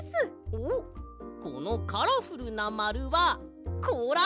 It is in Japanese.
おっこのカラフルなまるはこうら？